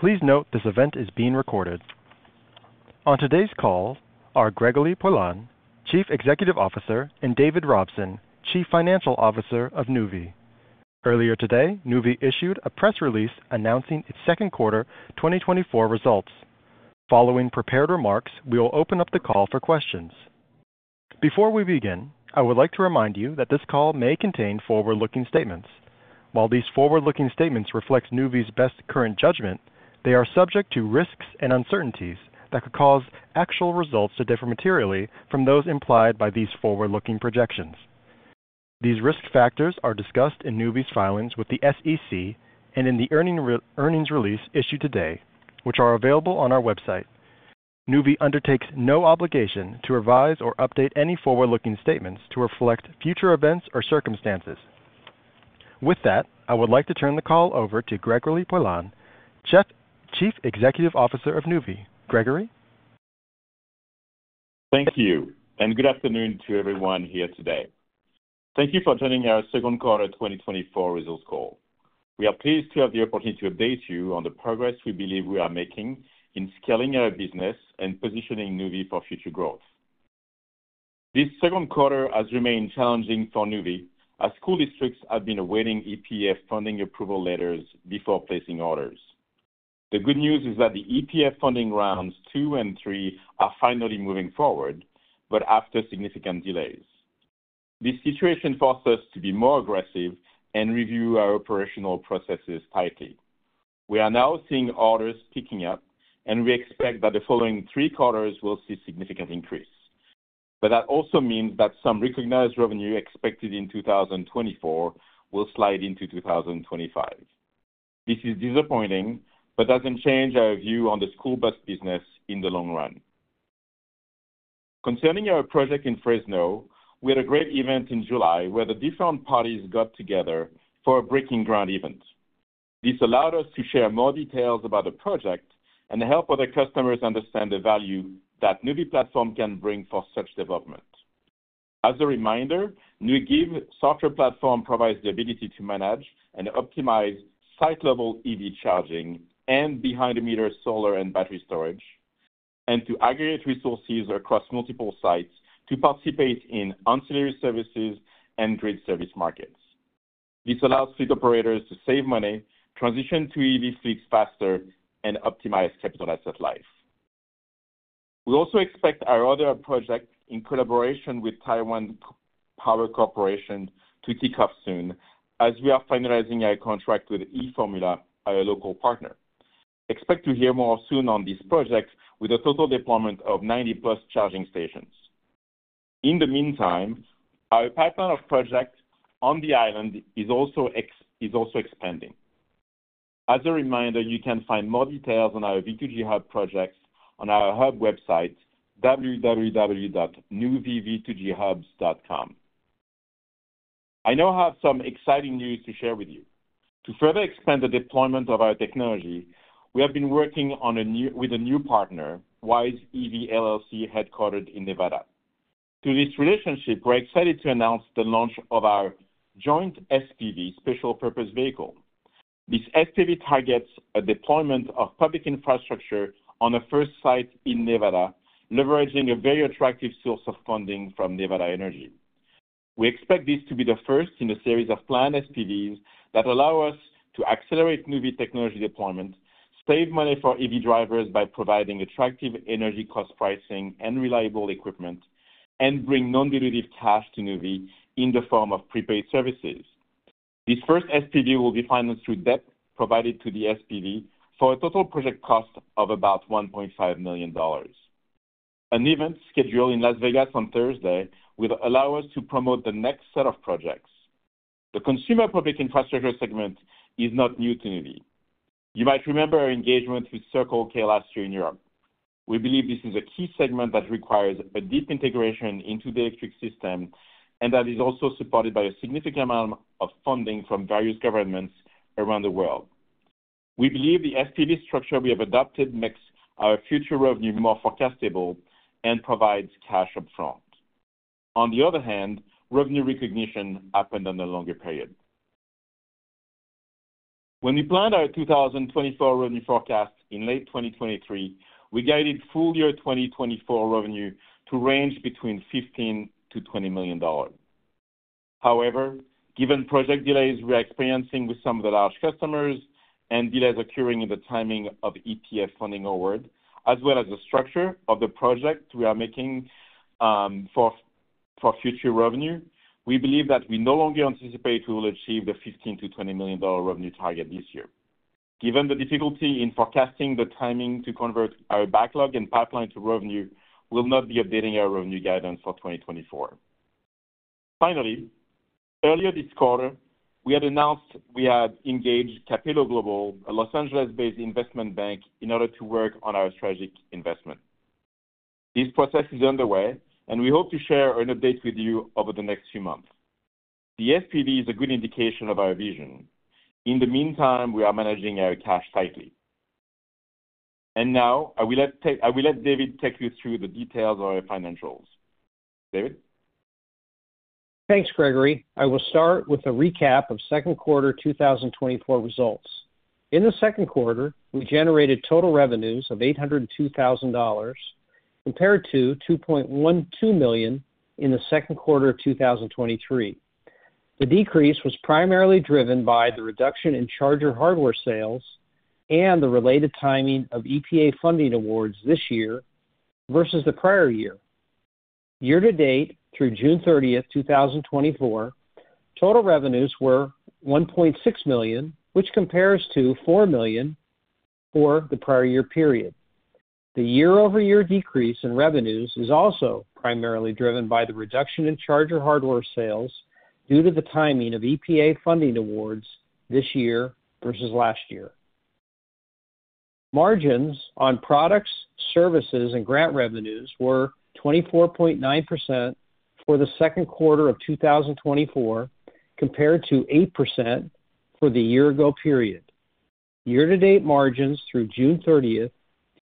Please note this event is being recorded. On today's call are Gregory Poilasne, Chief Executive Officer, and David Robson, Chief Financial Officer of Nuvve. Earlier today, Nuvve issued a press release announcing its second quarter 2024 results. Following prepared remarks, we will open up the call for questions. Before we begin, I would like to remind you that this call may contain forward-looking statements. While these forward-looking statements reflect Nuvve's best current judgment, they are subject to risks and uncertainties that could cause actual results to differ materially from those implied by these forward-looking projections. These risk factors are discussed in Nuvve's filings with the SEC and in the earnings release issued today, which are available on our website. Nuvve undertakes no obligation to revise or update any forward-looking statements to reflect future events or circumstances. With that, I would like to turn the call over to Gregory Poilasne, Chief Executive Officer of Nuvve. Gregory? Thank you, and good afternoon to everyone here today. Thank you for joining our second quarter 2024 results call. We are pleased to have the opportunity to update you on the progress we believe we are making in scaling our business and positioning Nuvve for future growth. This second quarter has remained challenging for Nuvve, as school districts have been awaiting EPA funding approval letters before placing orders. The good news is that the EPA funding rounds 2 and 3 are finally moving forward, but after significant delays. This situation forced us to be more aggressive and review our operational processes tightly. We are now seeing orders picking up, and we expect that the following 3 quarters will see significant increase. But that also means that some recognized revenue expected in 2024 will slide into 2025. This is disappointing, but doesn't change our view on the school bus business in the long run. Concerning our project in Fresno, we had a great event in July, where the different parties got together for a breaking ground event. This allowed us to share more details about the project and help other customers understand the value that Nuvve platform can bring for such development. As a reminder, Nuvve software platform provides the ability to manage and optimize site-level EV charging and behind-the-meter solar and battery storage, and to aggregate resources across multiple sites to participate in ancillary services and grid service markets. This allows fleet operators to save money, transition to EV fleets faster, and optimize capital asset life. We also expect our other project in collaboration with Taiwan Power Company to kick off soon, as we are finalizing a contract with e-Formula, our local partner. Expect to hear more soon on this project with a total deployment of 90+ charging stations. In the meantime, our pipeline of projects on the island is also expanding. As a reminder, you can find more details on our V2G hub projects on our hub website, www.nuvvev2ghubs.com. I now have some exciting news to share with you. To further expand the deployment of our technology, we have been working with a new partner, Wise EV, LLC, headquartered in Nevada. Through this relationship, we're excited to announce the launch of our joint SPV, special purpose vehicle. This SPV targets a deployment of public infrastructure on a first site in Nevada, leveraging a very attractive source of funding from NV Energy. We expect this to be the first in a series of planned SPVs that allow us to accelerate Nuvve technology deployment, save money for EV drivers by providing attractive energy cost pricing and reliable equipment, and bring non-dilutive cash to Nuvve in the form of prepaid services. This first SPV will be financed through debt provided to the SPV for a total project cost of about $1.5 million. An event scheduled in Las Vegas on Thursday will allow us to promote the next set of projects. The consumer public infrastructure segment is not new to Nuvve. You might remember our engagement with Circle K last year in Europe. We believe this is a key segment that requires a deep integration into the electric system, and that is also supported by a significant amount of funding from various governments around the world. We believe the SPV structure we have adopted makes our future revenue more forecastable and provides cash upfront. On the other hand, revenue recognition happened on a longer period. When we planned our 2024 revenue forecast in late 2023, we guided full year 2024 revenue to range between $15 million-$20 million. However, given project delays we are experiencing with some of the large customers and delays occurring in the timing of EPA funding award, as well as the structure of the project we are making for future revenue, we believe that we no longer anticipate we will achieve the $15 million-$20 million revenue target this year. Given the difficulty in forecasting the timing to convert our backlog and pipeline to revenue, we'll not be updating our revenue guidance for 2024. Finally, earlier this quarter, we had announced we had engaged Cappello Global, a Los Angeles-based investment bank, in order to work on our strategic investment. This process is underway, and we hope to share an update with you over the next few months. The SPV is a good indication of our vision. In the meantime, we are managing our cash tightly. Now, I will let David take you through the details of our financials. David? Thanks, Gregory. I will start with a recap of second quarter 2024 results. In the second quarter, we generated total revenues of $802,000, compared to $2.12 million in the second quarter of 2023. The decrease was primarily driven by the reduction in charger hardware sales and the related timing of EPA funding awards this year versus the prior year. Year-to-date, through June 30, 2024, total revenues were $1.6 million, which compares to $4 million for the prior year period. The year-over-year decrease in revenues is also primarily driven by the reduction in charger hardware sales due to the timing of EPA funding awards this year versus last year. Margins on products, services, and grant revenues were 24.9% for the second quarter of 2024, compared to 8% for the year ago period. Year-to-date margins through June 30,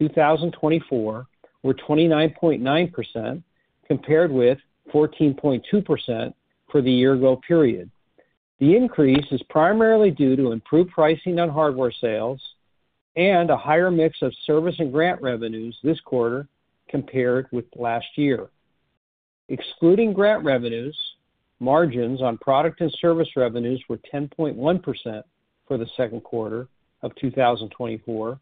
2024, were 29.9%, compared with 14.2% for the year ago period. The increase is primarily due to improved pricing on hardware sales and a higher mix of service and grant revenues this quarter compared with last year. Excluding grant revenues, margins on product and service revenues were 10.1% for the second quarter of 2024,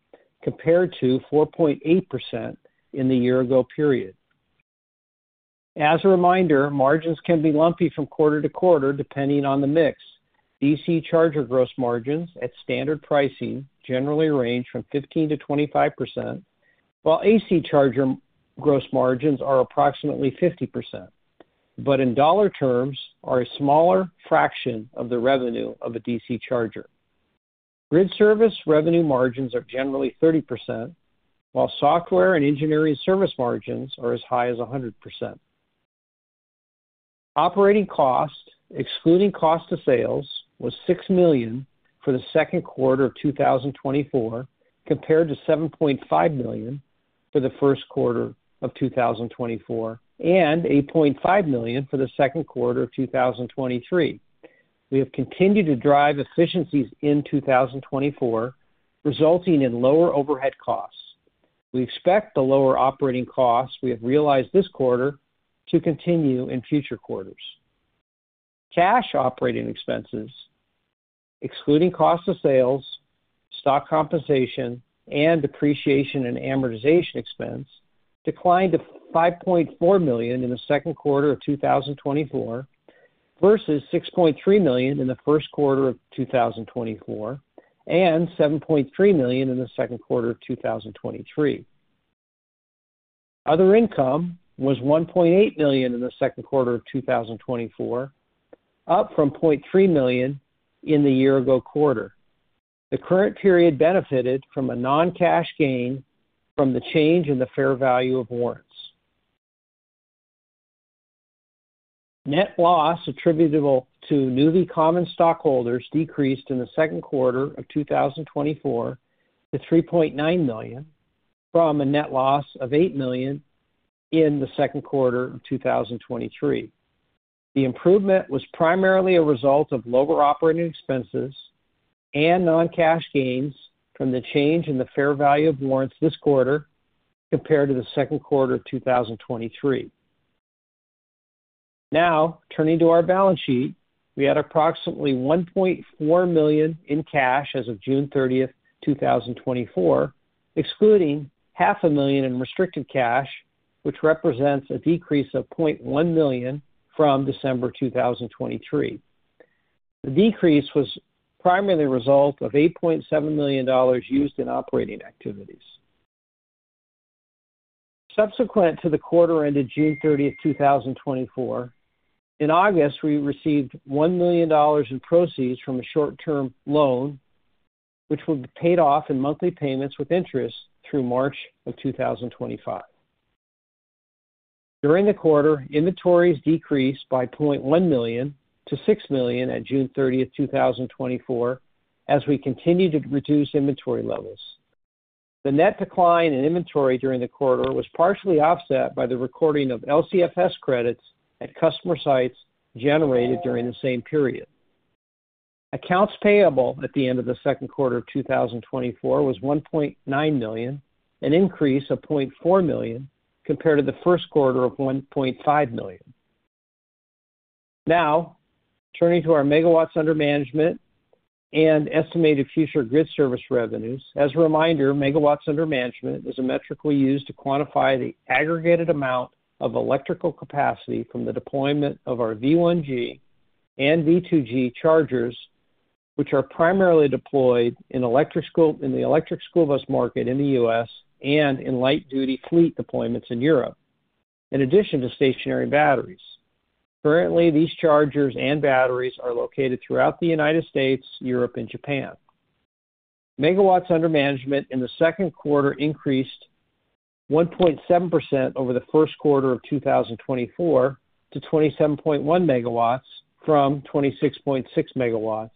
compared to 4.8% in the year ago period. As a reminder, margins can be lumpy from quarter to quarter, depending on the mix. DC charger gross margins at standard pricing generally range from 15%-25%, while AC charger gross margins are approximately 50%, but in dollar terms, are a smaller fraction of the revenue of a DC charger. Grid service revenue margins are generally 30%, while software and engineering service margins are as high as 100%. Operating cost, excluding cost of sales, was $6 million for the second quarter of 2024, compared to $7.5 million for the first quarter of 2024, and $8.5 million for the second quarter of 2023. We have continued to drive efficiencies in 2024, resulting in lower overhead costs. We expect the lower operating costs we have realized this quarter to continue in future quarters. Cash operating expenses, excluding cost of sales, stock compensation, and depreciation and amortization expense, declined to $5.4 million in the second quarter of 2024, versus $6.3 million in the first quarter of 2024, and $7.3 million in the second quarter of 2023. Other income was $1.8 million in the second quarter of 2024, up from $0.3 million in the year ago quarter. The current period benefited from a non-cash gain from the change in the fair value of warrants. Net loss attributable to Nuvve common stockholders decreased in the second quarter of 2024 to $3.9 million, from a net loss of $8 million in the second quarter of 2023. The improvement was primarily a result of lower operating expenses and non-cash gains from the change in the fair value of warrants this quarter compared to the second quarter of 2023. Now, turning to our balance sheet. We had approximately $1.4 million in cash as of June 30, 2024, excluding $500,000 in restricted cash, which represents a decrease of $0.1 million from December 2023. The decrease was primarily a result of $8.7 million used in operating activities. Subsequent to the quarter ended June 30, 2024, in August, we received $1 million in proceeds from a short-term loan, which will be paid off in monthly payments with interest through March of 2025. During the quarter, inventories decreased by $0.1 million-$6 million at June 30, 2024, as we continue to reduce inventory levels. The net decline in inventory during the quarter was partially offset by the recording of LCFS credits at customer sites generated during the same period. Accounts payable at the end of the second quarter of 2024 was $1.9 million, an increase of $0.4 million compared to the first quarter of $1.5 million. Now, turning to our megawatts under management and estimated future grid service revenues. As a reminder, megawatts under management is a metric we use to quantify the aggregated amount of electrical capacity from the deployment of our V1G and V2G chargers, which are primarily deployed in the electric school bus market in the U.S. and in light-duty fleet deployments in Europe, in addition to stationary batteries. Currently, these chargers and batteries are located throughout the United States, Europe, and Japan. Megawatts under management in the second quarter increased 1.7% over the first quarter of 2024, to 27.1 megawatts from 26.6 megawatts.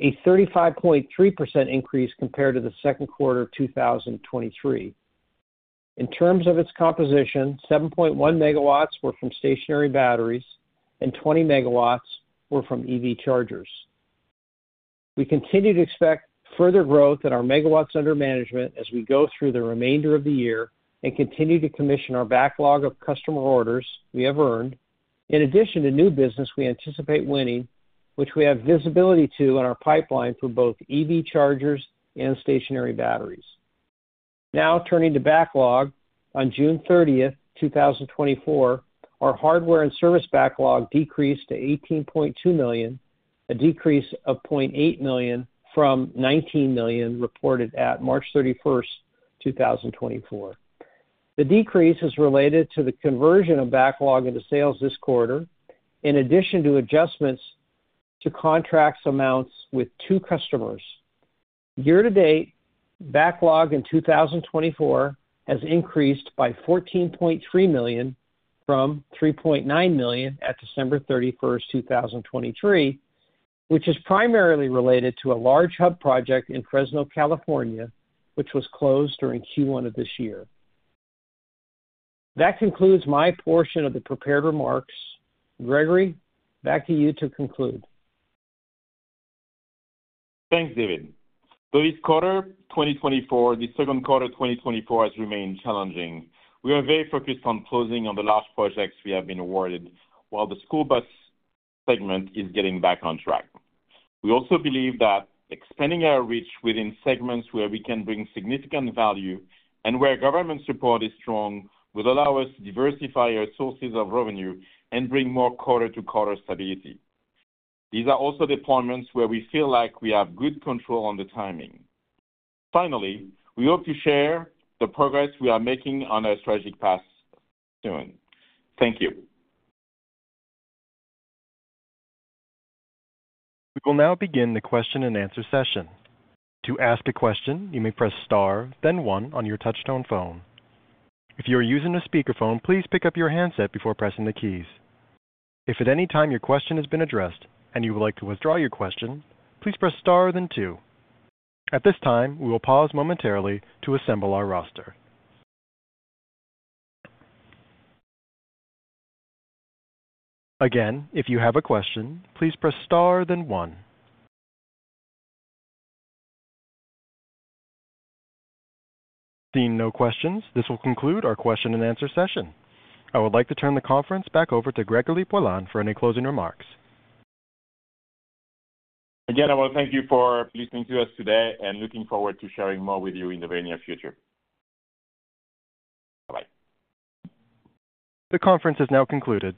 A 35.3% increase compared to the second quarter of 2023. In terms of its composition, 7.1 megawatts were from stationary batteries and 20 megawatts were from EV chargers. We continue to expect further growth in our megawatts under management as we go through the remainder of the year and continue to commission our backlog of customer orders we have earned. In addition to new business we anticipate winning, which we have visibility to in our pipeline for both EV chargers and stationary batteries. Now turning to backlog. On June 30, 2024, our hardware and service backlog decreased to $18.2 million, a decrease of $0.8 million from $19 million reported at March 31, 2024. The decrease is related to the conversion of backlog into sales this quarter, in addition to adjustments to contract amounts with two customers. Year-to-date, backlog in 2024 has increased by $14.3 million from $3.9 million at December 31, 2023, which is primarily related to a large hub project in Fresno, California, which was closed during Q1 of this year. That concludes my portion of the prepared remarks. Gregory, back to you to conclude. Thanks, David. So this quarter, 2024, the second quarter, 2024, has remained challenging. We are very focused on closing on the large projects we have been awarded while the school bus segment is getting back on track. We also believe that expanding our reach within segments where we can bring significant value and where government support is strong, will allow us to diversify our sources of revenue and bring more quarter-to-quarter stability. These are also deployments where we feel like we have good control on the timing. Finally, we hope to share the progress we are making on our strategic path soon. Thank you. We will now begin the question-and-answer session. To ask a question, you may press star, then one on your touchtone phone. If you are using a speakerphone, please pick up your handset before pressing the keys. If at any time your question has been addressed and you would like to withdraw your question, please press star, then two. At this time, we will pause momentarily to assemble our roster. Again, if you have a question, please press star, then one. Seeing no questions, this will conclude our question-and-answer session. I would like to turn the conference back over to Gregory Poilasne for any closing remarks. Again, I want to thank you for listening to us today, and looking forward to sharing more with you in the very near future. Bye-bye. The conference is now concluded.